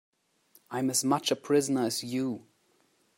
I'm as much a prisoner as you.